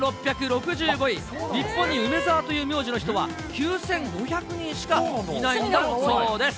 日本に梅澤という名字の人は、９５００人しかいないんだそうです。